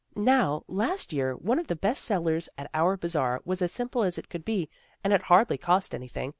" Now, last year, one of the best sellers at our Bazar was as simple as it could be, and it hardly cost anything.